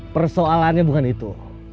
persoalannya bukan itu